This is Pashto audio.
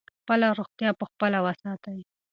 خپله روغتیا په خپله وساتئ.